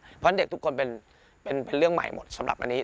เพราะฉะนั้นเด็กทุกคนเป็นเรื่องใหม่หมดสำหรับอันนี้